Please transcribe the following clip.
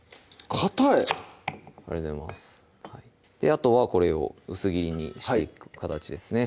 あとはこれを薄切りにしていく形ですね